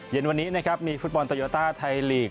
เย็นวันนี้นะครับมีฟุตบอลโตโยต้าไทยลีก